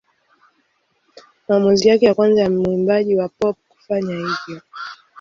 Maamuzi yake ya kwanza ya mwimbaji wa pop kufanya hivyo.